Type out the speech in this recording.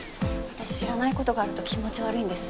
私知らない事があると気持ち悪いんです。